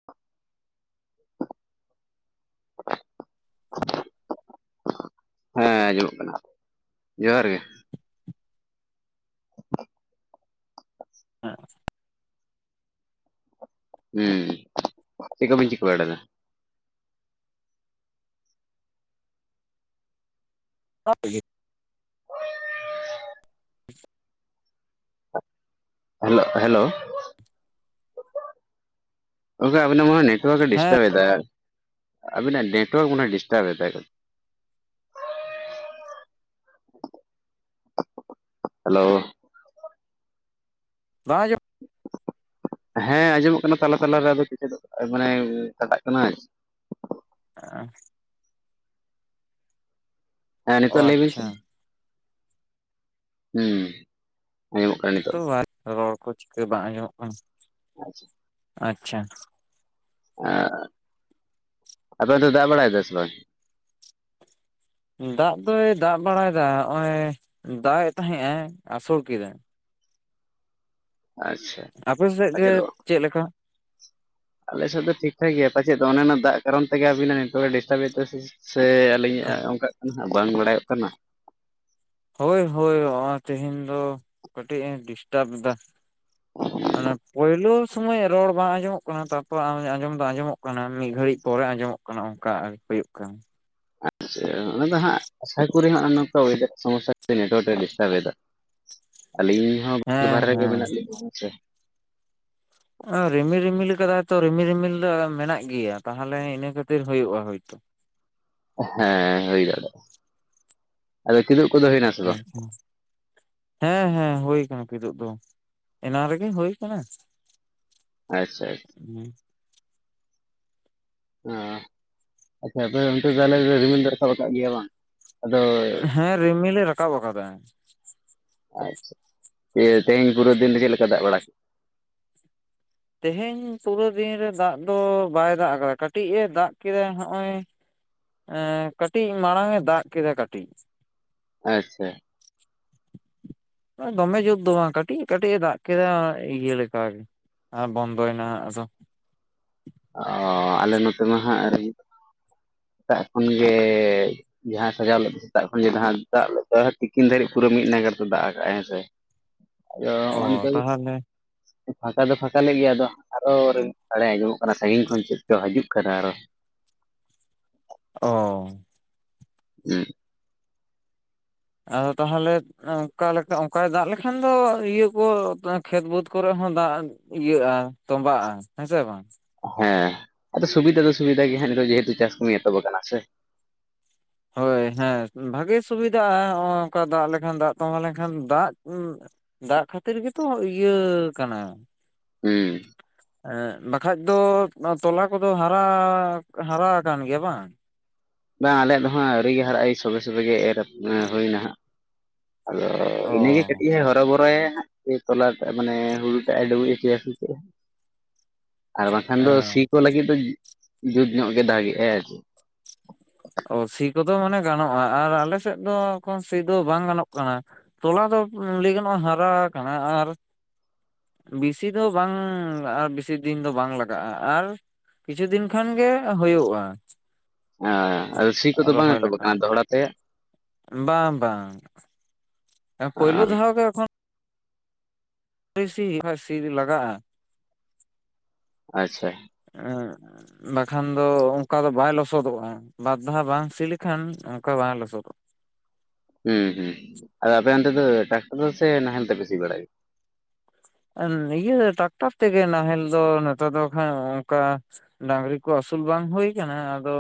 [inaudible] ᱦᱮᱸ ᱟᱸᱡᱚᱢᱚᱜ ᱠᱟᱱᱟ, ᱡᱚᱦᱟᱨ ᱜᱮ᱾ [inaudible] ᱮᱸ ᱦᱩᱸ, ᱪᱮᱜ ᱠᱚᱵᱤᱱ ᱪᱤᱠᱟᱹ ᱵᱟᱲᱟᱭᱫᱟ? [unintelligible] ᱨᱮᱜᱮ [unintelligible] ᱦᱮᱞᱜ ᱦᱮᱞᱳᱼᱼ ᱚᱠᱟ [unintelligible] ᱟᱵᱤᱱᱟᱜ [unintelligible] ᱱᱮᱴᱣᱟᱠ ᱮ ᱰᱤᱥᱴᱟᱵ ᱮᱫᱟᱭ, ᱟᱵᱤᱱᱟᱜ ᱱᱮᱴᱣᱟᱠ ᱢᱟᱱᱮ ᱦᱚᱭ ᱰᱤᱥᱴᱟᱵ ᱮᱫᱟᱭ᱾ ᱦᱟᱞᱳᱻ ᱵᱟᱝ ᱟᱸᱡᱚ [unintelligible] ᱦᱮᱸ ᱟᱸᱡᱚᱢᱚᱜ ᱠᱟᱱᱟ, ᱛᱟᱞᱟᱼᱛᱟᱞᱟ ᱨᱮ ᱟᱫᱚ ᱠᱮᱪᱮᱫᱚᱜ ᱢᱟᱱᱮ ᱠᱟᱴᱟᱜ ᱠᱟᱱᱟᱭ᱾ ᱟᱨᱻ ᱦᱮᱸ ᱚ ᱱᱤᱛᱚᱜ ᱞᱟᱹᱭ ᱵᱤᱱ ᱥᱮ, ᱟᱪᱪᱷᱟ ᱦᱩᱸ᱾ ᱟᱸᱡᱚᱢᱚᱜ ᱠᱟᱱᱟ ᱱᱤᱛᱚᱜ ᱛᱚ ᱫᱚ [unintelligible] ᱨᱚᱲ ᱠᱚ ᱪᱤᱠᱟᱹ ᱵᱟᱝ ᱟᱸᱡᱚᱢᱮᱜ ᱠᱟᱱᱟ᱾ ᱟᱪᱪᱷᱟ᱾ ᱟᱪᱪᱷᱟ᱾ ᱮᱸ ᱟᱯᱮ ᱚᱱᱛᱮ ᱫᱟᱜ ᱵᱟᱲᱟᱭᱮᱫᱟ ᱥᱮ ᱵᱟᱝ? ᱫᱟᱜ ᱫᱚᱭ ᱫᱟᱜ ᱵᱟᱲᱟᱭᱮᱫᱟ ᱦᱚᱸᱜ-ᱚᱭ ᱫᱟᱜ ᱮ ᱛᱟᱦᱮᱸ ᱟᱭ ᱟᱥᱩᱲ ᱠᱮᱫᱟᱭ᱾ ᱟᱪᱪᱷᱟ ᱟᱯᱮ ᱥᱮᱜ ᱜᱮ ᱯᱟᱪᱮᱫᱚᱜ ᱪᱮᱜ ᱞᱮᱠᱟ? ᱟᱞᱮ ᱥᱮᱫ ᱫᱚ ᱴᱷᱤᱠ ᱴᱷᱟᱠ ᱜᱮᱭᱟ ᱯᱟᱪᱷᱮᱫ ᱚᱱᱮ ᱚᱱᱟ ᱫᱟᱜ ᱠᱟᱨᱚᱱ ᱛᱮ ᱜᱮ ᱟᱵᱤᱱᱟ ᱱᱮᱴᱣᱟᱨᱠ ᱮ ᱰᱤᱥᱴᱩᱨᱵ ᱮᱫᱟ ᱥᱮ ᱪᱮᱜ? ᱥᱮ ᱟᱹᱞᱤᱧᱟᱜ ᱚᱱᱠᱟᱜ ᱠᱟᱱᱟ, ᱵᱟᱝ ᱵᱟᱲᱟᱭᱚᱜ ᱠᱟᱱᱟ᱾ ᱦᱚᱭ ᱦᱚᱭ ᱦᱚᱸᱜ ᱛᱮᱦᱮᱧ ᱫᱚ ᱠᱟᱹᱴᱤᱡ ᱮ ᱰᱤᱥᱴᱟᱵ ᱮᱫᱟ᱾ [inaudible] ᱚᱱᱟ ᱯᱳᱭᱞᱳ ᱥᱚᱢᱚᱭ ᱨᱚᱲ ᱵᱟᱝ ᱟᱸᱡᱚᱢᱚᱜ ᱠᱟᱱᱟ ᱛᱟᱯᱚᱨ ᱟᱸᱡᱚᱢ ᱫᱚ ᱟᱸᱡᱚᱢᱚᱜ ᱠᱟᱱᱟ, ᱢᱤᱜ ᱜᱷᱟᱹᱲᱤᱡ ᱯᱚᱨᱮ ᱟᱸᱡᱚᱢᱚᱜ ᱠᱟᱱᱟ᱾ ᱠᱚᱱᱚ ᱚᱱᱠᱟ ᱦᱩᱭᱩᱜ ᱠᱟᱱᱟ᱾ ᱟᱪᱪᱷᱟ ᱚᱱᱟ ᱫᱚ ᱦᱟᱸᱜ ᱟᱥᱟ ᱠᱚᱨᱤ ᱦᱟᱸᱜ ᱱᱚᱝᱠᱟ ᱳᱭᱫᱟᱨ ᱥᱚᱢᱚᱥᱭᱟ ᱠᱷᱟᱹᱛᱤᱨ ᱱᱮᱴᱣᱟᱨᱠ ᱮ ᱰᱤᱥᱴᱟᱨᱵ ᱮᱫᱟ᱾ ᱟᱹᱞᱤᱧ ᱦᱚᱸ [unintelligible] ᱦᱮᱸ ᱵᱟᱦᱨᱮ ᱨᱮᱜᱮ ᱦᱮᱸ ᱢᱮᱱᱟᱜ ᱞᱤᱧᱟ ᱦᱮᱸ ᱥᱮᱼᱼ ᱨᱤᱢᱤᱞ ᱨᱤᱢᱤᱞ ᱠᱟᱫᱟᱭ ᱛᱚ ᱨᱤᱢᱤᱞ ᱨᱤᱢᱤᱞ ᱫᱚ ᱢᱮᱱᱟᱜ ᱜᱮᱭᱟ, ᱛᱟᱦᱞᱮ ᱤᱱᱟᱹ ᱠᱷᱟᱹᱛᱤᱨ ᱦᱩᱭᱩᱜᱼᱟ ᱦᱚᱭ ᱛᱚ᱾ ᱦᱮᱸ ᱦᱩᱭ ᱫᱟᱲᱮᱭᱟᱜ-ᱟ᱾ ᱟᱫᱚ ᱠᱤᱫᱩᱜ ᱠᱚᱫᱚ ᱦᱩᱭᱮᱱᱟᱼᱼ ᱟᱪᱪᱷᱟ, ᱦᱮᱸ ᱦᱮᱸ ᱦᱩᱭ ᱟᱠᱟᱱᱟ ᱠᱤᱫᱩᱜ ᱫᱚ ᱾ ᱮᱱᱟᱝ ᱨᱮᱜᱮ ᱦᱩᱭ ᱟᱠᱟᱱᱟ᱾ ᱟᱪᱪᱷᱟ ᱟᱪᱪᱷᱟ᱾ ᱦᱮᱸ ᱟᱸ ᱟᱪᱪᱷᱟ ᱟᱯᱮ ᱚᱱᱛᱮ ᱛᱟᱦᱞᱮ ᱨᱩᱢᱤᱞ ᱫᱚ ᱨᱟᱠᱟᱵ ᱟᱠᱟᱫ ᱜᱮᱭᱟ ᱵᱟᱝ? ᱟᱫᱚ ᱦᱮᱸ ᱨᱤᱢᱤᱞᱮ ᱨᱟᱠᱟᱵ ᱟᱠᱟᱫᱟ᱾ ᱟᱪᱪᱷᱟ, [unintelligible] ᱛᱮᱦᱮᱧ ᱯᱩᱨᱟᱹ ᱫᱤᱱ ᱨᱮ ᱪᱮᱫ ᱞᱮᱠᱟ ᱫᱟᱜ ᱵᱟᱲᱟ [unintelligible] ᱛᱮᱦᱮᱧ ᱯᱩᱨᱟᱹ ᱫᱤᱱ ᱨᱮ ᱫᱟᱜ ᱫᱚ ᱵᱟᱭ ᱫᱟᱜ ᱟᱠᱟᱫᱟ ᱠᱟᱹᱴᱤᱡ ᱮ ᱫᱟᱜ ᱠᱮᱫᱟ ᱦᱚᱸᱜᱼᱚᱭᱼᱼ ᱮᱸ ᱠᱟᱹᱴᱤᱡ ᱢᱟᱲᱟᱝ ᱮ ᱫᱟᱜ ᱠᱮᱫᱟ ᱠᱟᱴᱤᱡ᱾ ᱟᱪᱪᱷᱟ᱾ ᱫᱚᱢᱮ ᱡᱩᱛ ᱫᱚ ᱵᱟᱝ ᱠᱟᱹᱴᱤᱡ ᱠᱟᱹᱴᱤᱡ ᱮ ᱫᱟᱜ ᱠᱮᱫᱟ ᱤᱭᱟᱹ ᱞᱮᱠᱟ ᱜᱮ ᱟᱨ ᱵᱚᱱᱫᱚᱭᱮᱱᱟ ᱦᱟᱸ ᱟᱫᱚ ᱚ ᱟᱞᱮ ᱱᱚᱛᱮ ᱢᱟ ᱦᱟᱸᱜ ᱥᱮᱛᱟᱜ ᱠᱷᱚᱱ ᱜᱮ ᱡᱟᱦᱟᱸᱭ ᱥᱟᱡᱟᱣ ᱞᱮᱫ ᱥᱮᱛᱟᱜ ᱠᱷᱚᱱ ᱫᱟᱜ ᱞᱮ ᱛᱤᱠᱤᱱ ᱫᱷᱟᱹᱨᱤᱡ ᱯᱩᱨᱟᱹ ᱢᱤᱫ ᱱᱟᱜᱟᱨ ᱛᱮ ᱫᱟᱜ ᱟᱠᱟᱜ ᱟᱭ ᱦᱮᱸ ᱥᱮ᱾ [inaudible] ᱟᱫᱚ ᱚ ᱱᱚᱜᱼᱚᱭ ᱱᱤᱛᱚᱜ ᱛᱟᱦᱚᱞᱮ ᱯᱷᱟᱸᱠᱟ ᱫᱚ ᱯᱷᱟᱸᱠᱟ ᱞᱮᱫ ᱜᱮᱭᱟ ᱟᱫᱚ ᱟᱨᱚ ᱨᱤᱢᱤᱞ ᱥᱟᱰᱮ ᱟᱸᱡᱚᱢᱚᱜ ᱚᱱᱟ ᱥᱟᱺᱜᱤᱧ ᱠᱷᱚᱱ ᱪᱮᱫ ᱪᱚ ᱦᱤᱡᱩᱜ ᱠᱟᱱᱟ ᱟᱨᱚ ᱚ ᱦᱮᱸ ᱟᱫᱚ ᱛᱟᱦᱚᱞᱮᱫ ᱚᱱᱠᱟ ᱞᱮᱠᱟ ᱚᱱᱠᱟᱭ ᱫᱟᱜ ᱞᱮᱠᱷᱟᱱ ᱫᱚ ᱤᱭᱟᱹ ᱠᱚ ᱠᱷᱮᱛ ᱵᱟᱹᱫᱽ ᱠᱚᱨᱮ ᱦᱚᱸ ᱫᱟᱜ ᱤᱭᱟᱹᱜᱼᱟ, ᱛᱚᱵᱟᱜᱼᱟ ᱦᱮᱸ ᱥᱮ ᱵᱟᱝ ᱦᱮᱸ ᱟᱫᱚ ᱥᱩᱵᱤᱫᱟ ᱫᱚ ᱥᱩᱵᱤᱫᱟ ᱜᱮ ᱦᱟᱸᱜ ᱱᱤᱛᱚᱜ ᱡᱮᱦᱮᱛᱩ ᱪᱟᱥ ᱠᱟᱹᱢᱤ ᱮᱛᱚᱦᱚᱵ ᱟᱠᱟᱱᱟ ᱥᱮ ᱦᱳᱭ, ᱦᱮᱸ ᱵᱷᱟᱜᱮ ᱥᱩᱵᱤᱫᱷᱟᱜᱼᱟ ᱱᱚᱜᱚᱭ ᱱᱚᱝᱠᱟ ᱫᱟᱜ ᱞᱮᱠᱷᱟᱱ ᱫᱟᱜ ᱛᱚᱸᱵᱟ ᱞᱮᱱᱠᱷᱟᱱ ᱫᱟᱜ [unintelligible] ᱫᱟᱜ ᱠᱷᱟᱹᱛᱤᱨ ᱜᱮᱛᱚ ᱤᱭᱟᱹ ᱟᱠᱟᱱᱟ᱾ ᱦᱮᱸ ᱮᱸᱜ ᱵᱟᱠᱷᱟᱡ ᱫᱚ ᱛᱚᱞᱟ ᱠᱚᱫᱚ ᱦᱟᱨᱟ ᱦᱟᱨᱟ ᱟᱠᱟᱱ ᱜᱮᱭᱟ ᱵᱟᱝ? ᱵᱟᱝ ᱟᱞᱮᱭᱟᱜ ᱫᱚ ᱦᱟᱸᱜ ᱟᱹᱣᱨᱤ ᱦᱟᱨᱟᱜ, ᱮ ᱥᱚᱵᱮ ᱥᱚᱵᱮ ᱜᱮ ᱮᱨ ᱦᱩᱭ ᱮᱱᱟ ᱦᱟᱸᱜ᱾ ᱟᱫᱚ ᱚ ᱤᱱᱟᱹ ᱜᱮ [unintelligible] ᱛᱟᱯᱚᱨᱮ ᱮᱨ ᱛᱚᱞᱟ ᱟᱜ ᱢᱟᱱᱮ ᱦᱩᱲᱩ ᱴᱟᱜ ᱮ ᱰᱩᱵᱩᱡ ᱦᱚᱪᱚᱭᱟ ᱥᱮ ᱪᱮᱫ ᱟᱨ ᱵᱟᱝᱠᱷᱟᱱ ᱫᱚ ᱮᱸ ᱥᱤ ᱠᱚ ᱞᱟᱹᱜᱤᱫ ᱫᱚ ᱡᱩᱫ ᱧᱚᱜ ᱜᱮ ᱫᱟᱜ ᱮᱫᱟ ᱟᱨᱠᱤ ᱚ ᱥᱤ ᱠᱚᱫᱚ ᱢᱟᱱᱮ ᱜᱟᱱᱚᱜᱼᱟ ᱟᱨ ᱟᱞᱮ ᱥᱮᱫ ᱫᱚ ᱮᱠᱷᱚᱱ ᱥᱤ ᱫᱚ ᱵᱟᱝ ᱜᱟᱱᱚᱜ ᱠᱟᱱᱟ᱾ ᱛᱚᱞᱟ ᱫᱚ ᱞᱟᱹᱭ ᱜᱟᱱᱚᱜᱼᱟ ᱦᱟᱨᱟ ᱟᱠᱟᱱᱟ ᱟᱨ ᱵᱮᱥᱤ ᱫᱚ ᱵᱟᱝ ᱟᱨ ᱵᱮᱥᱤ ᱫᱤᱱ ᱫᱚ ᱵᱟᱝ ᱞᱟᱜᱟᱜᱼᱟ ᱟᱨ ᱠᱤᱪᱷᱩ ᱫᱤᱱ ᱠᱷᱟᱱ ᱜᱮ ᱦᱩᱭᱩᱜᱼᱟ᱾ ᱦᱟᱸ ᱥᱤ ᱠᱚᱫᱚ ᱵᱟᱝ ᱨᱚᱦᱚᱭ ᱮᱛᱚᱦᱚᱵ ᱞᱮᱠᱟ ᱟᱠᱟᱱᱟ ᱫᱚᱦᱚᱲᱟ ᱛᱮ? ᱵᱟᱝ ᱵᱟᱝ ᱯᱳᱭᱞᱳ ᱫᱷᱟᱣ ᱜᱮ ᱮᱠᱷᱚᱱ [unintelligible] ᱥᱤ ᱫᱚ ᱞᱟᱜᱟᱜᱼᱟ᱾ ᱟᱪᱪᱷᱟ ᱵᱟᱠᱷᱟᱱ ᱫᱚ ᱚᱱᱠᱟ ᱫᱚ ᱵᱟᱭ ᱞᱚᱥᱚᱫᱚᱜᱼᱟ᱾ ᱵᱟᱨ ᱫᱷᱟᱣ ᱵᱟᱝ ᱥᱤ ᱞᱮᱠᱷᱟᱱ ᱚᱱᱠᱟ ᱵᱟᱝ ᱞᱚᱥᱚᱫᱚᱜᱼᱟ᱾ ᱦᱩᱸ ᱦᱩᱸ ᱟᱫᱚ ᱟᱯᱮ ᱚᱱᱛᱮ ᱫᱚ ᱴᱟᱠᱴᱟᱨ ᱫᱚ ᱥᱮ ᱱᱟᱦᱮᱞ ᱛᱮᱯᱮ ᱥᱤ ᱵᱟᱲᱟᱭᱟ᱾ ᱤᱭᱟᱹ ᱴᱟᱠᱴᱟᱨ ᱛᱮ ᱜᱮ ᱱᱟᱦᱮᱞ ᱫᱚ ᱱᱮᱛᱟᱨ ᱫᱚ ᱠᱷᱟᱡ ᱚᱱᱠᱟ ᱰᱟᱝᱨᱤ ᱠᱚ ᱟᱹᱥᱩᱞ ᱵᱟᱝ ᱦᱩᱭ ᱠᱟᱱᱟ ᱟᱫᱚ,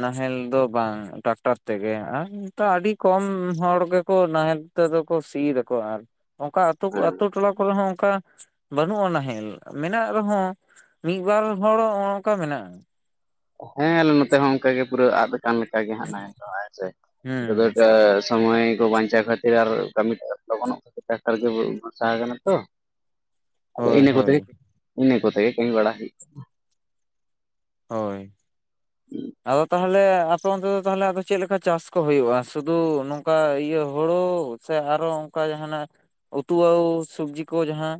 ᱱᱟᱦᱮᱞ ᱫᱚ ᱵᱟᱝ, ᱴᱨᱟᱠᱴᱟᱨ ᱛᱮᱜᱮ ᱟᱨ ᱱᱤᱛ ᱟᱹᱰᱤ ᱠᱚᱢ ᱦᱚᱲ ᱜᱮᱠᱚ ᱱᱟᱦᱮᱞ ᱛᱮᱫᱚ ᱠᱚ ᱥᱤ ᱮᱫᱟ ᱠᱚ ᱟᱨ ᱚᱱᱠᱟ ᱟᱹᱛᱩ ᱜᱮᱭᱟ? [unintelligible] ᱟᱛᱩ ᱴᱚᱞᱟ ᱠᱚᱨᱮ ᱦᱚᱸ ᱚᱱᱠᱟ ᱵᱟᱹᱱᱩᱜᱼᱟ ᱱᱟᱦᱮᱞ, ᱢᱮᱱᱟᱜ ᱨᱮᱦᱚᱸ ᱢᱤᱫ ᱵᱟᱨ ᱦᱚᱲ [unintelligible] ᱢᱮᱱᱟᱜᱼᱟ᱾ ᱦᱮᱸ ᱟᱞᱮ ᱱᱚᱛᱮ ᱦᱚᱸ ᱚᱝᱠᱟ ᱜᱮ ᱯᱩᱨᱟᱹ ᱟᱫ ᱟᱠᱟᱱ ᱞᱮᱠᱟ ᱜᱮ ᱦᱟᱸᱜ ᱱᱟᱦᱮᱞ ᱫᱚ ᱦᱮ ᱥᱮ, ᱦᱩᱸ [unintelligible] ᱥᱚᱢᱚᱭ ᱠᱚ ᱵᱟᱧᱪᱟᱣ ᱠᱷᱛᱤᱨ ᱟᱨ ᱠᱟᱹᱢᱤ ᱞᱚᱜᱚᱱᱚᱜ ᱴᱨᱟᱠᱴᱟᱨ ᱜᱮ ᱵᱚᱨᱥᱟ ᱟᱠᱟᱱᱟ ᱛᱚ ᱦᱳᱭ ᱤᱱᱟᱹ ᱠᱚᱛᱮ ᱦᱳᱭ ᱤᱱᱟᱹ ᱠᱚᱛᱮ ᱜᱮ ᱠᱟᱹᱢᱤ ᱵᱟᱲᱟ ᱦᱩᱭᱩᱜ ᱦᱳᱭ, ᱟᱫᱚ ᱛᱟᱦᱮ ᱛᱟᱦᱚᱞᱮ ᱟᱯᱮ ᱚᱱᱛᱮ ᱫᱚ ᱛᱟᱦᱚᱞᱮ ᱟᱫᱚ ᱪᱮᱫ ᱞᱮᱠᱟ ᱪᱟᱥ ᱠᱚ ᱦᱩᱭᱩᱜᱼᱟ, ᱥᱩᱫᱷᱩ ᱱᱚᱝᱠᱟ ᱤᱭᱟᱹ ᱦᱳᱲᱳ ᱥᱮ ᱟᱨᱚ ᱚᱱᱠᱟ ᱡᱟᱦᱟᱱᱟᱜ ᱩᱛᱩ [unintelligible] ᱥᱚᱵᱡᱤ ᱠᱚ ᱡᱟᱸᱦᱟᱸ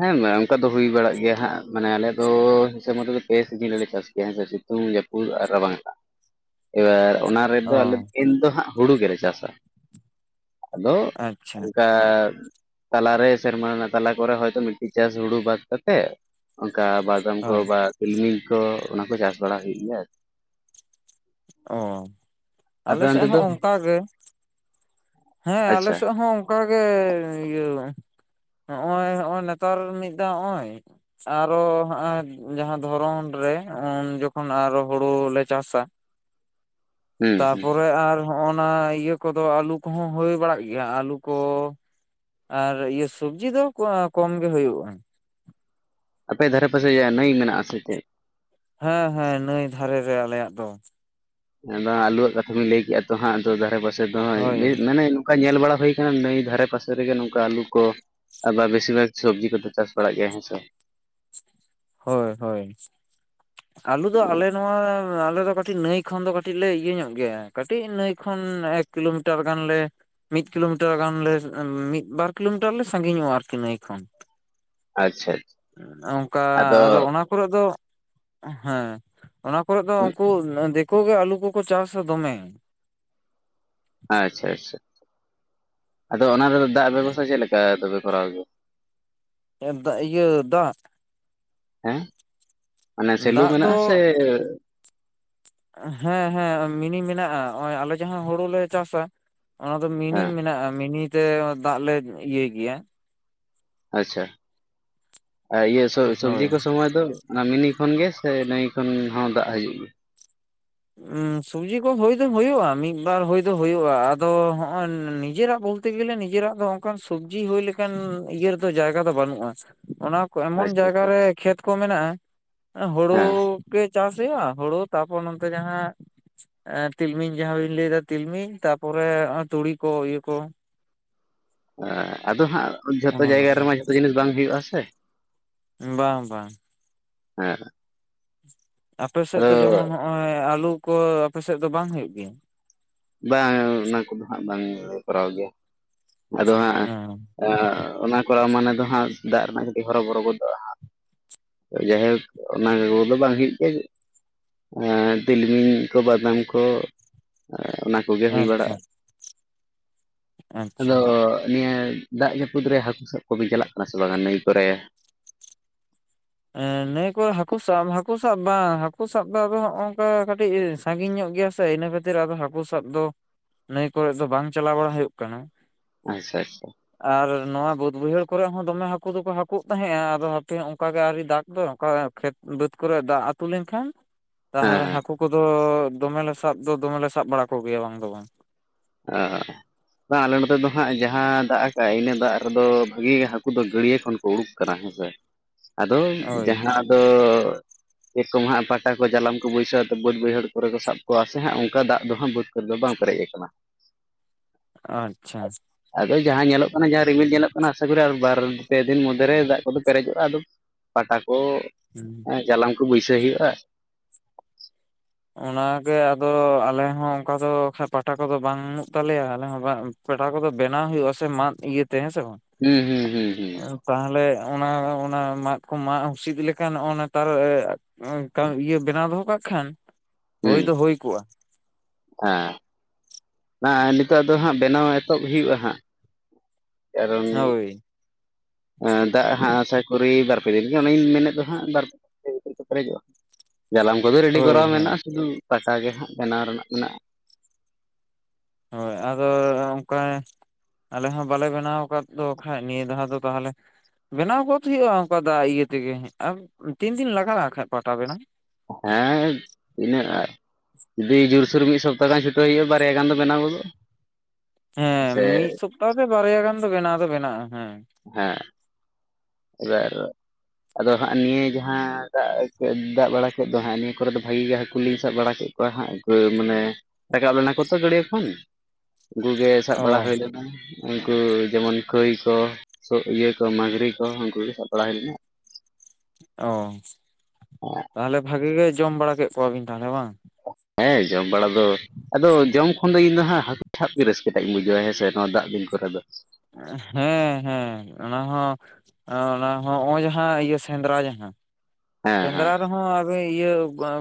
ᱦᱮᱸ ᱚᱱᱠᱟ ᱫᱚ ᱦᱩᱭ ᱵᱟᱲᱟᱜ ᱜᱮᱭᱟ ᱦᱟᱸᱜ, ᱢᱟᱱᱮ ᱟᱞᱮᱭᱟᱜ ᱫᱚ ᱦᱤᱥᱟᱹᱵ ᱢᱚᱛᱚ ᱫᱚ ᱯᱮ ᱥᱤᱡᱤᱱ ᱨᱮᱞᱮ ᱪᱟᱥ ᱜᱮᱭᱟ ᱦᱮᱸ ᱥᱮ [inaudible] ᱛᱩᱝ, ᱡᱮᱯᱩᱫ ᱟᱨ ᱨᱟᱵᱟᱝ ᱴᱟᱜ᱾ ᱮᱵᱟᱨ ᱚᱱᱟ ᱨᱮᱫᱚ ᱟᱞᱮ ᱚ ᱠᱤᱱ ᱫᱚ ᱦᱟᱸᱜ ᱦᱩᱲᱩ ᱜᱮᱞᱮ ᱪᱟᱥᱟ, ᱟᱫᱚ ᱟᱪᱪᱷᱟ᱾ ᱚᱱᱠᱟ ᱛᱟᱞᱟᱨᱮ ᱥᱮᱨᱢᱟ ᱨᱮᱱᱟᱜ ᱛᱟᱞᱟ ᱠᱚᱨᱮ ᱦᱚᱭ ᱛᱚ ᱢᱤᱫᱴᱤᱡ ᱪᱟᱥ ᱦᱩᱲᱩ ᱵᱟᱫ ᱠᱟᱛᱮᱜ, ᱚᱱᱠᱟ ᱵᱟᱫᱟᱢ ᱠᱚ ᱦᱳᱭ ᱵᱟ ᱛᱤᱞᱢᱤᱧ ᱠᱚ ᱚᱱᱟ ᱠᱚ ᱪᱟᱥ ᱵᱟᱲᱟ ᱦᱩᱭᱩᱜ ᱜᱮᱭᱟ ᱟᱨᱠᱤ᱾ ᱚᱻ᱾ ᱟᱯᱮ ᱟᱞᱮ ᱥᱮᱫ ᱚᱱᱛᱮ ᱦᱚᱸ ᱫᱚ ᱚᱱᱠᱟᱜ ᱜᱮ, ᱦᱮᱸ ᱟᱞᱮ ᱟᱪᱪᱷᱟ ᱥᱮᱫ ᱦᱚᱸ ᱚᱱᱠᱟ ᱜᱮ ᱤᱭᱟᱹ, ᱱᱚᱜᱼᱚᱭ ᱱᱚᱜᱼᱚᱭ ᱱᱮᱛᱟᱨ ᱢᱤᱫ ᱫᱷᱟᱣ ᱦᱚᱸᱜ-ᱚᱭ ᱟᱨᱦᱚᱸ ᱦᱟᱸᱜ-ᱟᱭ ᱡᱟᱦᱟᱸ ᱫᱷᱚᱨᱚᱱ ᱨᱮ ᱩᱱ ᱡᱚᱠᱷᱚᱱ ᱟᱨᱚ ᱦᱩᱲᱩ ᱞᱮ ᱪᱟᱥᱟ᱾ ᱦᱩᱸ ᱦᱩᱸ ᱛᱟᱯᱚᱨᱮ ᱟᱨ ᱦᱚᱸᱜ-ᱚ ᱱᱟ ᱤᱭᱟᱹ ᱠᱚᱫᱚ ᱟᱹᱞᱩ ᱠᱚᱦᱚᱸ ᱦᱩᱭ ᱵᱟᱲᱟᱜ ᱜᱮᱭᱟ, ᱟᱹᱞᱩ ᱠᱚ ᱟᱨ ᱤᱭᱟᱹ ᱥᱚᱵᱽᱡᱤ ᱫᱚ ᱠᱚᱢ ᱜᱮ ᱦᱩᱭᱩᱜᱼᱟ᱾ ᱟᱯᱮ ᱫᱷᱟᱨᱮ ᱯᱟᱥᱮᱡ ᱱᱟᱹᱭ ᱢᱮᱱᱟᱜᱼᱟ ᱥᱮ ᱪᱮᱫ? ᱦᱮᱸ ᱦᱮᱸ ᱱᱟᱹᱭ ᱫᱷᱟᱨᱮ ᱨᱮ ᱟᱞᱮᱭᱟᱜ ᱫᱚ᱾ ᱟᱫᱚ ᱟᱞᱩᱣᱟᱜ ᱠᱟᱛᱷᱟ ᱵᱤᱱ ᱞᱟᱹᱭ ᱠᱮᱜ-ᱟ ᱛᱚ ᱦᱟᱸᱜ ᱟᱫᱚ ᱫᱷᱟᱨᱮ ᱯᱟᱥᱮ ᱫᱚ ᱦᱳᱭ ᱦᱟᱸᱜ [inaudible] ᱚᱱᱠᱟ ᱧᱮᱞ ᱵᱟᱲᱟ ᱦᱩᱭ ᱠᱟᱱᱟ ᱱᱟᱹᱭ ᱫᱷᱟᱨᱮ ᱯᱟᱥᱮ ᱨᱮᱜᱮ ᱱᱚᱝᱠᱟ ᱟᱞᱩ ᱠᱚ ᱟᱵᱟᱨ ᱵᱮᱥᱤᱨ ᱵᱷᱟᱜᱷ ᱥᱚᱵᱽᱡᱤ ᱠᱚᱫᱚ ᱪᱟᱥ ᱵᱟᱲᱟᱜ ᱜᱮᱭᱟ ᱦᱮᱸ ᱥᱮ᱾ ᱦᱳᱭ ᱦᱳᱭ, ᱟᱞᱩ ᱫᱚ ᱟᱞᱮ ᱱᱚᱣᱟ ᱟᱞᱮ ᱫᱚ ᱠᱟᱹᱴᱤᱡ ᱱᱟᱹᱭ ᱠᱷᱚᱱ ᱫᱚ ᱠᱟᱹᱴᱤᱡ ᱞᱮ ᱤᱭᱟᱹ ᱧᱚᱜ ᱜᱮᱭᱟ, ᱠᱟᱹᱴᱤᱡ ᱱᱟᱹᱭ ᱠᱷᱚᱱ ᱮᱠ ᱠᱤᱞᱳᱢᱤᱴᱟᱨ ᱜᱟᱱ ᱞᱮ ᱢᱤᱫ ᱠᱤᱞᱳᱢᱤᱴᱟᱨ ᱜᱟᱱ ᱞᱮ ᱢᱤᱫ, ᱵᱟᱨ ᱠᱤᱞᱳᱢᱤᱴᱟᱨ ᱞᱮ ᱥᱟᱺᱜᱤᱧᱚᱜᱼᱟ ᱟᱨᱠᱤ ᱱᱟᱹᱭ ᱠᱷᱚᱱ᱾ ᱟᱪᱪᱷᱟ ᱾ ᱟᱻ ᱟᱫᱚ ᱚᱱᱟ ᱠᱚᱨᱮᱫ ᱫᱚ, ᱦᱮᱸ, ᱚᱱᱟ ᱠᱚᱨᱮᱫ ᱫᱚ ᱩᱱᱠᱩ ᱫᱤ ᱠᱚᱜᱮ ᱟᱞᱩ ᱠᱚᱠᱚ ᱪᱟᱥᱟ ᱫᱚᱢᱮ᱾ ᱟᱪᱪᱷᱟ ᱟᱪᱪᱷᱟ᱾ ᱟᱫᱚ ᱚᱱᱟ ᱨᱮ ᱫᱚ ᱫᱟᱜ ᱵᱮᱵᱚᱥᱛᱟ ᱪᱮᱫ ᱞᱮᱠᱟ ᱛᱚᱵᱮ ᱠᱚᱨᱟᱣ ᱜᱮᱭᱟ? ᱦᱮᱸ ᱫᱟᱜ ᱤᱭᱟᱹ ᱫᱟᱜ? ᱦᱮᱸ। ᱢᱟᱱᱮ ᱥᱮᱞᱩ ᱫᱟᱜ ᱫᱚ ᱢᱮᱱᱟᱜᱼᱟ ᱥᱮ ᱦᱮᱸ ᱦᱮᱸ ᱢᱤᱱᱤ ᱢᱮᱱᱟᱜᱼᱟ, ᱦᱚᱸᱜᱼᱚᱭ ᱟᱞᱮ ᱡᱟᱦᱟᱸ ᱦᱩᱲᱩᱞᱮ ᱪᱟᱥᱟ, ᱚᱱᱟ ᱫᱚ ᱢᱤᱱᱤ ᱦᱮᱸ ᱢᱮᱱᱟᱜᱼᱟ ᱢᱤᱱᱤ ᱛᱮ ᱚᱱᱟ ᱫᱟᱜ ᱞᱮ ᱤᱭᱟᱹᱭ ᱜᱮᱭᱟ᱾ ᱟᱪᱪᱷᱟ᱾ ᱟᱨ ᱤᱭᱟᱹ ᱥᱚ ᱥᱚᱵᱽᱡᱤ ᱦᱳᱭ ᱠᱚ ᱥᱚᱢᱚᱭ ᱫᱚ? ᱚᱱᱟ ᱢᱤᱱᱤ ᱠᱷᱚᱱ ᱜᱮ ᱥᱮ ᱱᱟᱹᱭ ᱠᱷᱚᱱ ᱦᱚᱸ ᱫᱟᱜ ᱦᱤᱡᱩᱜ ᱜᱮᱭᱟ? ᱩ ᱥᱚᱵᱽᱡᱤ ᱠᱚ ᱦᱩᱭ ᱫᱚ ᱦᱩᱭᱩᱜᱼᱟ ᱢᱤᱫᱵᱟᱨ ᱦᱩᱭ ᱫᱚ ᱦᱩᱭᱩᱜᱼᱟ ᱟᱫᱚ ᱦᱚᱸᱜᱼᱚᱭ ᱱᱤᱡᱮᱨᱟᱜ ᱵᱷᱩᱞ ᱛᱮ ᱜᱮᱞᱮ ᱱᱤᱡᱮᱨᱟᱜ ᱫᱚ ᱚᱱᱠᱟᱱ ᱥᱚᱵᱽᱡᱤ ᱦᱩᱭ ᱞᱮᱠᱟᱱ ᱤᱭᱟᱹ ᱨᱮᱫᱚ ᱡᱟᱭᱜᱟ ᱫᱚ ᱵᱟᱹᱱᱩᱜᱼᱟ, ᱚᱱᱟ ᱮᱢᱚᱱ ᱟᱪᱪᱷᱟ ᱡᱟᱭᱜᱟ ᱟᱪᱪᱷᱟ ᱨᱮ ᱠᱷᱮᱛ ᱠᱚ ᱢᱮᱱᱟᱜᱼᱟ, ᱦᱮᱸ ᱦᱮᱸ, ᱦᱩᱲᱩ ᱠᱟᱹᱡ ᱪᱟᱥ ᱦᱩᱭᱩᱜᱼᱟ, ᱦᱩᱲᱩ ᱛᱟᱨᱯᱚᱨ ᱱᱚᱱᱛᱮ ᱡᱟᱦᱟᱸ ᱮᱸ ᱛᱤᱞᱢᱤᱧ ᱡᱟᱦᱟᱸ ᱵᱤᱱ ᱞᱟᱹᱭᱫᱟ ᱛᱤᱞᱢᱤᱧ ᱛᱟᱯᱚᱨᱮ ᱛᱩᱲᱤ ᱠᱚ ᱤᱭᱟᱹ ᱠᱚ᱾ ᱟᱫᱚ ᱦᱟᱸᱜ ᱡᱷᱚᱛᱚ ᱚᱱᱟ ᱡᱟᱭᱜᱟ ᱠᱚᱜᱮ ᱨᱮᱢᱟ ᱡᱷᱚᱛᱚ ᱡᱤᱱᱤᱥ ᱵᱟᱝ ᱦᱩᱭᱩᱜ-ᱟ ᱥᱮ᱾ ᱵᱟᱝ ᱵᱟᱝ᱾ ᱦᱮᱸ᱾ ᱟᱯᱮ ᱥᱮᱫ ᱟᱫᱚ ᱫᱚ ᱡᱮᱢᱚᱱ ᱱᱚᱜᱼᱚᱭ ᱟᱹᱞᱩ ᱠᱚ ᱟᱯᱮ ᱥᱮᱫ ᱫᱚ ᱵᱟᱝ ᱦᱩᱭᱩᱜ ᱜᱮᱭᱟ? ᱵᱟᱝ ᱚᱱᱟ ᱠᱚᱫᱚ ᱦᱟᱸᱜ ᱵᱟᱝ ᱠᱚᱨᱟᱣ ᱜᱮᱭᱟ᱾ ᱟᱫᱚ ᱦᱟᱸᱜ ᱚᱸ ᱚᱱᱟ ᱠᱚᱨᱣᱟ ᱢᱟᱱᱮ ᱫᱚ ᱦᱟᱸᱜ, ᱫᱟᱜ ᱨᱮᱱᱟᱜ ᱠᱟᱹᱴᱤᱡ ᱦᱚᱨᱚ ᱵᱚᱨᱚ ᱜᱚᱫᱚᱜᱼᱟ ᱦᱟᱸᱜ᱾ ᱡᱟᱭᱦᱳᱠ ᱚᱱᱟ ᱠᱚᱫᱚ ᱵᱟᱝ ᱦᱩᱭᱩᱜ ᱜᱮᱭᱟ᱾ ᱮᱻ ᱛᱤᱞᱢᱤᱧ ᱠᱚ ᱵᱟᱫᱟᱢ ᱠᱚ, ᱚᱱᱟ ᱠᱚᱜᱮ ᱦᱩᱭ ᱟᱪᱪᱷᱟ ᱵᱟᱲᱟᱜᱼᱟ᱾ ᱟᱪᱪᱷᱟ ᱟᱫᱚ ᱱᱤᱭᱟᱹ ᱫᱟᱜᱽ ᱡᱟᱹᱯᱩᱫ ᱨᱮ ᱦᱟᱹᱠᱩ ᱥᱟᱵ ᱠᱚᱵᱤᱱ ᱪᱟᱞᱟᱜ ᱠᱟᱱᱟ ᱥᱮ ᱵᱟᱝᱟ ᱱᱟᱹᱭ ᱠᱚᱨᱮ? ᱱᱤᱭᱟᱹ ᱠᱚ ᱦᱟᱠᱩ ᱥᱟᱵ ᱦᱟᱹᱠᱩ ᱥᱟᱵ ᱵᱟᱝ ᱦᱟᱹᱠᱩ ᱥᱟᱵ ᱫᱚ ᱟᱫᱚ ᱱᱚᱜᱼ ᱱᱚᱝᱠᱟ ᱠᱟᱹᱴᱤᱡ, ᱥᱟᱺᱜᱤᱧ ᱧᱚᱜ ᱜᱮᱭᱟ ᱥᱮ ᱤᱱᱟᱹ ᱠᱷᱟᱹᱛᱤᱨ ᱟᱫᱚ ᱦᱟᱹᱠᱩ ᱥᱟᱵ ᱫᱚ ᱱᱟᱹᱭ ᱠᱚᱨᱮ ᱫᱚ ᱵᱟᱝ ᱪᱟᱞᱟᱣ ᱵᱟᱲᱟ ᱦᱩᱭᱩᱜ ᱠᱟᱱᱟ᱾ ᱟᱪᱪᱷᱟ ᱟᱪᱪᱷᱟ, ᱟᱨ ᱱᱚᱣᱟ ᱵᱟᱹᱫᱽ ᱵᱟᱹᱭᱦᱟᱹᱲ ᱠᱚᱨᱮ ᱦᱚᱸ ᱫᱚᱢᱮ ᱦᱟᱹᱠᱩ ᱫᱚᱠᱚ ᱦᱟᱹᱠᱩᱜ ᱛᱟᱦᱮᱸᱜᱼᱟ ᱟᱫᱚ ᱦᱟᱯᱮ ᱚᱱᱠᱟ, ᱟᱣᱨᱤ ᱫᱟᱜ ᱫᱚ ᱠᱷᱮᱛ ᱵᱟᱹᱫᱽ ᱠᱚᱨᱮ ᱫᱟᱜᱽ ᱟᱹᱛᱩ ᱞᱮᱱᱠᱷᱟᱱ ᱦᱮᱸ ᱛᱟᱦᱚᱞᱮ ᱦᱮᱸ ᱦᱟᱸᱠ, ᱠᱩ ᱠᱚᱫᱚ ᱫᱚᱢᱮᱞᱮ ᱥᱟᱵ ᱫᱚ ᱫᱚᱢᱮ ᱥᱟᱵ ᱵᱟᱲᱟ ᱠᱚᱜᱮᱭᱟ ᱵᱟᱝ ᱫᱚ ᱵᱟᱝ᱾ ᱚᱻ, ᱵᱟᱝ ᱟᱞᱮ ᱱᱚᱛᱮ ᱫᱚ ᱦᱟᱸᱜ ᱡᱟᱦᱟᱸ ᱫᱟᱜᱽ ᱟᱠᱟᱫ ᱟᱭ ᱤᱱᱟᱹ ᱫᱟᱜᱽ ᱨᱮᱫᱚ ᱵᱷᱟᱹᱜᱤ ᱜᱮ ᱦᱟᱹᱠᱩ ᱫᱚ ᱜᱟᱹᱲᱤᱭᱟᱹ ᱠᱷᱚᱱ, ᱠᱚ ᱩᱲᱩᱠ ᱠᱟᱱᱟ ᱦᱮᱸ ᱥᱮ ᱟᱫᱚ ᱦᱳᱭ ᱡᱟᱦᱟᱸ ᱫᱚ ᱪᱮ ᱠᱚᱢᱟ ᱦᱟᱸᱯᱟᱴᱟ ᱠᱚ ᱡᱟᱞᱟᱱ ᱠᱚ ᱵᱟᱹᱭᱥᱟᱹᱣ ᱵᱟᱹᱫᱽ ᱵᱟᱹᱭᱦᱟᱹᱲ ᱠᱚᱨᱮ ᱠᱚ ᱥᱟᱵ ᱠᱚᱣᱟ ᱥᱮ ᱦᱟᱸᱜ ᱚᱱᱠᱟ ᱫᱟᱜᱽ ᱫᱚ ᱦᱟᱸᱜ ᱵᱟᱹ ᱠᱷᱮᱛ ᱫᱚ ᱵᱟᱝ ᱯᱮᱨᱮᱡ ᱟᱠᱟᱱᱟ᱾ ᱟᱪᱪᱷᱟ, ᱟᱫᱚ ᱡᱟᱦᱟᱸ ᱧᱮᱞᱚᱜ ᱠᱟᱱᱟ ᱡᱟᱦᱟᱸ ᱨᱤᱢᱤᱞ ᱧᱮᱞᱚᱜ ᱠᱟᱱᱟ ᱟᱥᱟ ᱠᱚᱨᱮ ᱟᱨ ᱵᱟᱨ ᱯᱮ ᱫᱤᱱ ᱢᱚᱫᱽᱫᱷᱮ ᱨᱮ ᱫᱟᱜᱽ ᱠᱚᱫᱚ ᱯᱮᱨᱮᱡᱚᱜᱼᱟ᱾ ᱟᱫᱚ ᱯᱟᱴᱟ ᱠᱚ, ᱦᱩᱸ, ᱦᱮᱸ ᱡᱟᱞᱟᱢ ᱠᱚ ᱵᱟᱹᱭᱥᱟᱹ ᱦᱩᱭᱩᱜᱼᱟ᱾ ᱚᱱᱟᱜᱮ ᱟᱫᱚ ᱟᱞᱮ ᱦᱚᱸ ᱚᱱᱠᱟ ᱫᱚ ᱯᱟᱴᱟ ᱠᱚᱫᱚ ᱵᱟᱹᱱᱩᱜ ᱛᱟᱞᱮᱭᱟ ᱟᱞᱮ ᱦᱚᱸ ᱵᱟᱝ, ᱯᱮᱴᱷᱟ ᱠᱚᱫᱚ ᱵᱮᱱᱟᱣ ᱦᱩᱭᱩᱜᱼᱟ ᱥᱮ ᱢᱟᱫ ᱤᱭᱟᱹᱛᱮ ᱦᱮᱸ ᱥᱮ ᱵᱟᱝ᱾ ᱦᱩᱸ ᱦᱩᱸ ᱦᱩᱸ ᱦᱩᱸ᱾ ᱛᱟᱦᱚᱞᱮ ᱚᱱᱟ ᱚᱱᱟ ᱢᱟᱫ ᱠᱚ ᱢᱟᱜ ᱦᱩᱥᱤᱫ ᱞᱮᱠᱷᱟᱱ ᱱᱚᱜᱼᱚᱭ ᱱᱮᱛᱟᱨ। ᱼᱤᱭᱟᱹ ᱵᱮᱱᱟᱣ ᱫᱚᱦᱚ ᱠᱟᱜ ᱠᱷᱟᱱ ᱦᱩᱭ ᱦᱩᱸ ᱫᱚ ᱦᱩᱭ ᱠᱚᱜᱼᱟ᱾ ᱦᱮᱸ ᱱᱟᱜᱼᱚᱸᱭ ᱱᱤᱛᱚᱜ ᱫᱚ ᱦᱟᱸᱜ ᱵᱮᱱᱟᱣ ᱮᱛᱚᱦᱚᱵ ᱦᱩᱭᱩᱜᱼᱟ ᱦᱟᱸᱜ᱾ ᱠᱟᱨᱚᱱ, ᱦᱳᱭ ᱫᱟᱜ ᱦᱟᱸᱜ ᱟᱥᱟ ᱠᱚᱨᱤ ᱵᱟᱨ ᱯᱮ ᱫᱤᱱ ᱜᱮ ᱚᱱᱟ ᱜᱮᱧ ᱢᱮᱱᱮᱫ ᱫᱚ ᱦᱟᱸᱜ ᱵᱟᱨ ᱯᱮ ᱫᱤᱱ [unintelligible] ᱯᱮᱨᱮᱡᱚᱜᱼᱟ᱾ ᱡᱟᱞᱟᱢ ᱠᱚᱫᱚ ᱨᱮᱰᱤ ᱦᱳᱭ ᱠᱚᱨᱟᱣ ᱦᱳᱭ ᱢᱮᱱᱟᱜᱼᱟ ᱥᱩᱫᱩ ᱯᱟᱴᱟ ᱜᱮ ᱦᱟᱸᱜ ᱵᱮᱱᱟᱣ ᱨᱮᱱᱟᱜ ᱢᱮᱱᱟᱜᱼᱟ᱾ ᱦᱳᱭ ᱟᱫᱚ ᱚᱱᱠᱟ, ᱟᱞᱮ ᱦᱚᱸ ᱵᱟᱞᱮ ᱵᱮᱱᱟᱣ ᱟᱠᱟᱫ ᱫᱚ ᱠᱷᱟᱡ ᱱᱤᱭᱟᱹ ᱫᱷᱟᱣ ᱫᱚ ᱛᱟᱦᱚᱞᱮ, ᱵᱮᱱᱟᱣ ᱜᱚᱫ ᱦᱩᱭᱩᱜᱼᱟ ᱚᱱᱠᱟ ᱫᱟᱜ ᱤᱭᱟᱹ ᱛᱮᱜᱮ ᱟᱨ ᱛᱤᱱ ᱫᱤᱱ ᱞᱟᱜᱟᱜᱼᱟ ᱠᱷᱟᱱ ᱯᱟᱴᱟ ᱵᱮᱱᱟᱣ, ᱦᱮᱸ ᱛᱤᱱᱟᱹᱜ ᱟᱨ ᱡᱩᱫᱤ ᱡᱩᱨᱥᱩᱨ ᱢᱤᱫ ᱥᱚᱯᱛᱟ ᱜᱟᱱ ᱪᱷᱩᱴᱟᱹᱣ ᱦᱩᱭᱩᱜᱼᱟ ᱵᱟᱨᱭᱟ ᱜᱟᱱ ᱫᱚ ᱵᱮᱱᱟᱣ ᱜᱚᱫᱚᱜᱼᱟ᱾ ᱦᱮᱸ ᱥᱮ ᱢᱤᱫ ᱥᱚᱯᱛᱟ ᱛᱮ ᱵᱟᱨᱭᱟ ᱜᱟᱱ ᱫᱚ ᱵᱮᱱᱟᱣ ᱫᱚ ᱵᱮᱱᱟᱜᱼᱟ ᱦᱮᱸ᱾ ᱦᱮᱸ, [unintelligible] ᱟᱫᱚ ᱦᱟᱸᱜ ᱱᱤᱭᱟᱹ ᱡᱟᱦᱟᱸ ᱫᱟᱜᱽ ᱫᱟᱜᱽ ᱵᱟᱲᱟ ᱠᱮᱫ ᱫᱚ ᱦᱟᱸᱜ ᱱᱤᱭᱟᱹ ᱠᱚᱨᱮ ᱫᱚ ᱵᱷᱟᱹᱜᱤ ᱜᱮ ᱦᱟᱹᱠᱩ ᱞᱤᱧ ᱥᱟᱵ ᱵᱟᱲᱟ ᱠᱮᱫ ᱦᱳᱭ ᱦᱟᱸᱜ ᱦᱳᱭ ᱢᱟᱱᱮ ᱨᱟᱠᱟᱵ ᱞᱮᱱᱟ ᱠᱚ ᱛᱚ ᱜᱟᱹᱰᱭᱟᱹ ᱠᱷᱚᱱ᱾ ᱟᱹᱰᱤ ᱜᱮ ᱥᱟᱵ ᱵᱟᱲᱟ ᱚ ᱦᱩᱭ ᱞᱮᱱᱟ, ᱩᱱᱠᱩ ᱡᱮᱢᱚᱱ ᱠᱟᱹᱭ ᱠᱚ ᱤᱭᱟᱹ ᱠᱚ ᱢᱟᱹᱜᱽᱨᱤ ᱠᱚ ᱩᱱᱠᱩ ᱜᱮ ᱥᱟᱵ ᱵᱟᱲᱟ ᱦᱩᱭ ᱞᱮᱱᱟ᱾ ᱚ ᱛᱟᱦᱚᱞᱮ ᱵᱷᱟᱜᱮ ᱜᱮ ᱡᱚᱢ ᱵᱟᱲᱟ ᱠᱮᱫ ᱠᱚᱣᱟ ᱵᱤᱱ ᱛᱟᱦᱚᱞᱮ ᱵᱟᱝ, ᱦᱮᱸ ᱡᱚᱢ ᱵᱟᱲᱟ ᱫᱚ ᱟᱫᱚ ᱡᱚᱢ ᱠᱷᱚᱱ ᱫᱚ ᱤᱧ ᱫᱚ ᱦᱟᱸᱜ ᱦᱟᱠᱩ ᱥᱟᱵ ᱜᱮ ᱨᱟᱹᱥᱠᱟᱹ ᱴᱟᱜ ᱤᱧ ᱵᱩᱡᱷᱟᱹᱣᱟ ᱦᱮᱸ ᱥᱮ ᱱᱚᱣᱟ ᱫᱟᱜᱽ ᱫᱤᱱ ᱠᱚᱨᱮ ᱫᱚ᱾ ᱦᱮᱸ ᱦᱮᱸ ᱚᱱᱟ ᱦᱚᱸ, ᱚᱱᱟ ᱦᱚᱸ ᱦᱚᱸᱜᱼᱚᱭ ᱡᱟᱦᱟᱸ ᱤᱭᱟᱹ, ᱥᱮᱸᱫᱽᱨᱟ ᱡᱟᱦᱟᱸᱼᱼ ᱦᱮᱸ ᱥᱮᱸᱫᱽᱨᱟ ᱦᱮᱸ ᱨᱮᱦᱚᱸ ᱟᱵᱮ ᱤᱭᱟᱹ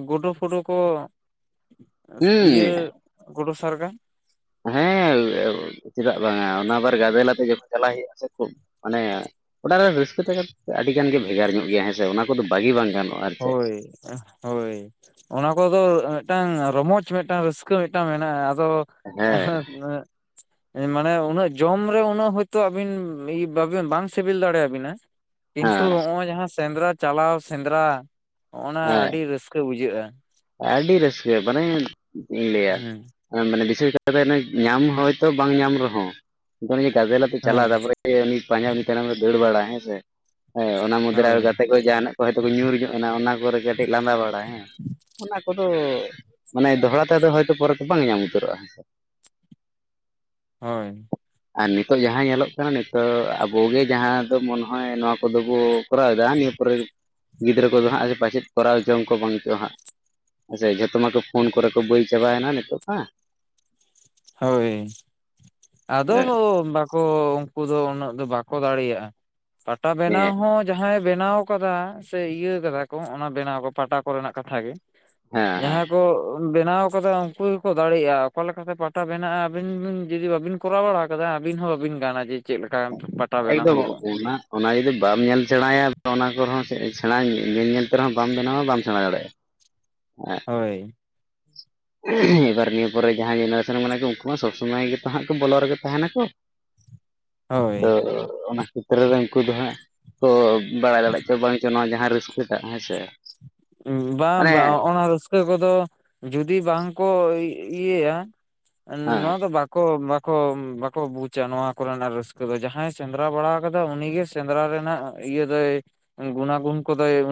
ᱜᱩᱰᱩ ᱯᱷᱩᱰᱩ ᱠᱚᱼᱼ ᱤᱭᱟᱹ ᱦᱩᱸ ᱜᱩᱰᱩ ᱥᱟᱨᱜᱟ ᱾ ᱦᱮᱸ ᱪᱮᱫᱟᱜ ᱵᱟᱝᱟ, ᱚᱱᱟ ᱟᱵᱟᱨ ᱜᱟᱫᱮ ᱞᱟᱛᱮ ᱡᱚᱠᱷᱚᱱ ᱪᱟᱞᱟᱜ ᱦᱩᱭᱩᱜᱼᱟ ᱥᱮ ᱠᱷᱩᱵᱽ ᱢᱟᱱᱮᱼᱼ ᱚᱲᱟᱜ ᱨᱮ ᱨᱟᱹᱥᱠᱟᱹ ᱛᱟᱠᱮ, ᱟᱹᱰᱤᱜᱟᱱ ᱜᱮ ᱵᱷᱮᱜᱟᱨ ᱧᱚᱜ ᱜᱮᱭᱟ ᱦᱮᱸ ᱥᱮ ᱚᱱᱟ ᱠᱚᱫᱚ ᱵᱟᱹᱜᱤ ᱵᱟᱝ ᱜᱟᱱᱚᱜᱼᱟ ᱾ ᱦᱳᱭ ᱦᱳᱭ ᱾ ᱚᱱᱟ ᱠᱚᱫᱚ ᱢᱤᱫᱴᱟᱝ ᱨᱚᱢᱚᱡᱽ ᱢᱤᱫᱴᱟᱝ ᱨᱟᱹᱥᱠᱟᱹ ᱢᱤᱫᱴᱟᱝ ᱢᱮᱱᱟᱜᱼᱟ ᱟᱫᱚᱼᱼ ᱦᱮᱸ ᱟᱸᱦᱟ [unintelligible] ᱢᱟᱱᱮ ᱩᱱᱟᱹᱜ ᱡᱚᱢ ᱨᱮ ᱩᱱᱟᱹᱜ ᱦᱚᱭᱛᱳ ᱵᱟᱹᱵᱤᱱ ᱵᱟᱝ ᱥᱤᱵᱤᱞ ᱫᱟᱲᱮᱭᱟᱵᱤᱱᱟ ᱾ ᱠᱤᱱᱛᱩ ᱦᱮᱸ ᱱᱚᱜᱼᱚᱭ ᱡᱟᱦᱟᱸ ᱥᱮᱸᱫᱽᱨᱟ ᱪᱟᱞᱟᱣ ᱥᱮᱸᱫᱽᱨᱟᱼᱼ ᱱᱚᱸᱜᱼᱱᱟ ᱦᱮᱸ ᱟᱹᱰᱤ ᱨᱟᱹᱥᱠᱟᱹ ᱵᱩᱡᱷᱟᱹᱜᱼᱟ ᱾ ᱟᱹᱰᱤ ᱨᱟᱹᱥᱠᱟᱹ, ᱵᱟᱱᱮ ᱪᱮᱫ ᱤᱧ ᱞᱟᱹᱭᱟ ᱦᱮᱸ ᱾ ᱢᱟᱱᱮ ᱵᱤᱥᱮᱥ ᱠᱟᱛᱮ ᱧᱟᱢ ᱦᱚᱭᱛᱳ ᱵᱟᱝ ᱧᱟᱢ ᱨᱮᱦᱚᱸ, ᱚᱱᱮ ᱡᱮ ᱜᱟᱡᱮᱞ ᱟᱛᱮ ᱪᱟᱞᱟᱣ ᱦᱮᱸ ᱛᱟᱨᱯᱚᱨᱮᱼᱼ ᱩᱱᱤ ᱯᱟᱸᱡᱟ ᱩᱱᱤ ᱛᱟᱭᱱᱚᱢ ᱨᱮ ᱫᱟᱹᱲ ᱵᱟᱲᱟ ᱦᱮᱸᱥᱮ, ᱚᱱᱟ ᱢᱚᱫᱽᱫᱷᱮᱨᱮ ᱟᱨ ᱦᱳᱭ ᱜᱟᱛᱮᱼᱼ ᱠᱚᱭ ᱡᱟᱦᱟᱱᱟᱜ ᱠᱚ ᱦᱳᱭᱛᱚ ᱠᱚ ᱧᱩᱨ ᱧᱚᱜ ᱟᱱᱟ ᱠᱚᱨᱮ ᱠᱟᱹᱴᱤᱡ ᱞᱟᱸᱫᱟ ᱵᱟᱲᱟᱭ ᱦᱮᱸᱼᱼ [unintelligible] ᱚᱱᱟ ᱠᱚᱫᱚ, ᱢᱟᱱᱮ ᱫᱚᱦᱲᱟ ᱛᱮᱫᱚ ᱦᱚᱭᱛᱚ ᱯᱚᱨᱮ ᱛᱮ ᱵᱟᱝ ᱧᱟᱢ ᱩᱛᱟᱹᱨᱚᱜᱼᱟ ᱾ ᱦᱳᱭ ᱾ ᱟᱨ ᱱᱤᱛᱳᱜ ᱡᱟᱦᱟᱸ ᱧᱮᱞᱚᱜ ᱠᱟᱱᱟ ᱱᱤᱛᱳᱜ ᱟᱵᱚᱜᱮ ᱡᱟᱦᱟᱸ ᱫᱚ ᱢᱚᱱᱮ ᱦᱚᱭ ᱱᱚᱣᱟ ᱠᱚᱫᱚ ᱵᱚᱼᱼ ᱠᱚᱨᱟᱣᱮᱫᱟ ᱱᱤᱭᱟᱹ ᱯᱚᱨᱮ, ᱜᱤᱫᱽᱨᱟᱹ ᱠᱚᱫᱚ ᱦᱟᱸᱜ ᱯᱟᱪᱮᱫ ᱠᱚᱨᱟᱣ ᱡᱚᱝ ᱠᱚ ᱵᱟᱝ ᱪᱚᱼᱟ ᱦᱟᱸᱜ ᱾ ᱥᱮ ᱡᱷᱚᱛᱚ ᱢᱟᱠᱚ ᱯᱷᱳᱱ ᱠᱚᱨᱮ ᱠᱚ ᱵᱟᱹᱭ ᱪᱟᱵᱟᱭᱱᱟ ᱱᱤᱛᱚᱜ ᱢᱟ ᱾ ᱦᱳᱭ, ᱟᱫᱚ ᱦᱳ [inaudible] ᱠᱚ ᱩᱱᱠᱩ ᱫᱚ ᱩᱱᱟᱹᱜ ᱫᱚ ᱵᱟᱠᱚ ᱫᱟᱲᱮᱭᱟᱜᱼᱟ, ᱯᱟᱴᱟ ᱦᱮᱸ ᱵᱮᱱᱟᱣ ᱦᱚᱸᱼᱼ ᱡᱟᱦᱟᱸᱭ ᱵᱮᱱᱟᱣ ᱠᱟᱫᱟ, ᱥᱮ ᱤᱭᱟᱹ ᱠᱟᱫᱟ ᱠᱚ ᱚᱱᱟ ᱵᱮᱱᱟᱣ ᱠᱚ ᱯᱟᱴᱟ ᱠᱚᱨᱮᱱᱟᱜ ᱠᱟᱛᱷᱟ ᱜᱮᱼᱼ ᱦᱮᱸ ᱡᱟᱦᱟᱸᱭ ᱠᱚ ᱵᱮᱱᱟᱣ ᱠᱟᱫᱟ ᱩᱱᱠᱩ ᱜᱮᱠᱚ ᱫᱟᱲᱮᱭᱟᱜᱼᱟ, ᱚᱠᱟ ᱞᱮᱠᱟᱛᱮ ᱯᱟᱼᱼ ᱴᱟ ᱵᱮᱱᱟᱜᱼᱟ, ᱟᱵᱤᱱ ᱡᱩᱫᱤ ᱵᱟᱵᱤᱱ ᱠᱚᱨᱟᱣ ᱵᱟᱲᱟ ᱟᱠᱟᱫᱟ ᱟᱹᱵᱤᱱ ᱦᱚᱸ ᱵᱟᱹᱵᱤᱱ ᱜᱟᱱᱟ ᱡᱮ ᱪᱮᱫ ᱞᱮᱠᱟ ᱯᱟᱼᱼ ᱮ ᱫᱚ ᱱᱟ [inaudible] ᱚᱱᱟ ᱡᱩᱫᱤ ᱵᱟᱢ ᱧᱮᱞ ᱥᱮᱬᱟᱭᱟ ᱚᱱᱟ ᱠᱚᱨᱮᱦᱚᱸ ᱥᱮᱬᱟ ᱧᱮᱞ ᱧᱮᱞ ᱛᱮ ᱨᱮᱦᱚᱸ ᱵᱟᱢ ᱵᱮᱱᱟᱣᱟ ᱵᱟᱢ ᱥᱮᱬᱟ ᱫᱟᱲᱮᱭᱟᱜᱼᱟ ᱾ ᱦᱮ [inaudible] ᱦᱳᱭ ᱾ [inaudible] ᱮᱵᱟᱨ ᱱᱤᱭᱟᱹ ᱯᱚᱨᱮ ᱡᱟᱦᱟᱸᱭ ᱡᱮᱱᱟᱨᱮᱥᱚᱱ ᱢᱮᱱᱟᱜ ᱠᱚ ᱩᱱᱠᱩ ᱢᱟ ᱥᱚᱵᱽ ᱥᱚᱢᱚᱭ ᱜᱮᱛᱚ ᱦᱟᱸᱜ ᱠᱚ ᱵᱚᱞᱚ ᱨᱮᱜᱮ ᱛᱟᱦᱮᱱᱟᱠᱚ ᱾ ᱦᱳᱭ ᱛᱚ ᱚᱱᱟ ᱠᱷᱮᱛᱨᱮ ᱨᱮ ᱩᱱᱠᱩ ᱫᱚ ᱦᱟᱸᱜ ᱠᱚᱼᱼ ᱵᱟᱲᱟᱭ ᱫᱟᱲᱮᱜ ᱪᱚ ᱵᱟᱝᱪᱚ ᱱᱚᱣᱟ ᱡᱟᱦᱟᱸ ᱨᱟᱹᱥᱠᱟᱹᱴᱟᱜ ᱦᱮᱸ ᱥᱮ ᱾ ᱵᱟᱝ ᱵᱟᱝ ᱚᱱᱟᱼᱼ ᱨᱟᱹᱥᱠᱟᱹ ᱠᱚᱫᱚ, ᱡᱩᱫᱤ ᱵᱟᱝ ᱠᱚ ᱤᱭᱟᱹᱭᱟ, ᱦᱮᱸ ᱱᱚᱣᱟ ᱫᱚ ᱵᱟᱼᱼ ᱠᱚ ᱵᱟᱠᱚ, ᱵᱟᱠᱚ ᱵᱩᱡᱟ ᱱᱚᱣᱟ ᱠᱚᱨᱮᱱᱟᱜ ᱨᱟᱹᱥᱠᱟᱹ ᱫᱚ, ᱡᱟᱦᱟᱸᱭ ᱥᱮᱸᱫᱽᱨᱟ ᱵᱟᱲᱟ ᱠᱟᱫᱟ ᱩᱱᱤ ᱜᱮ ᱥᱮᱸᱫᱽᱨᱟ ᱨᱮᱱᱟᱜᱼᱼ ᱤᱭᱟᱹ ᱫᱚᱭ, ᱜᱩᱱᱟ ᱜᱩᱱ ᱠᱚᱫᱚᱭᱼᱼ